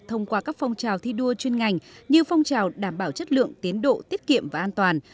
thông qua các phong trào thi đua chuyên ngành như phong trào đảm bảo chất lượng tiến độ tiết kiệm và an toàn